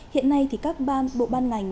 hiện nay thì các ban bộ ban ngành